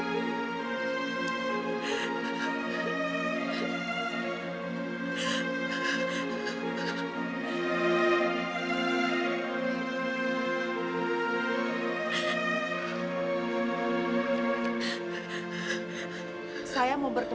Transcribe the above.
menumpang bungho beku di halaman separate